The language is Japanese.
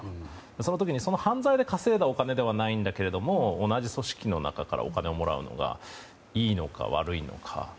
その時に、その犯罪で稼いだお金ではないんだけれども同じ組織の中からお金をもらうのがいいのか、悪いのか。